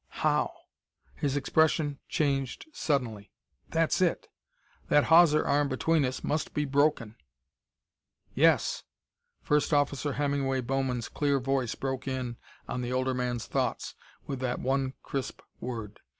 How " His expression changed suddenly. "That's it! That hawser arm between us must be broken!" "Yes." First Officer Hemingway Bowman's clear voice broke in on the older man's thoughts with that one crisp word.